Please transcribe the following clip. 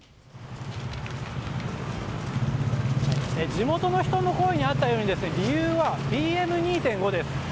地元の人の声にあったように理由はＰＭ２．５です。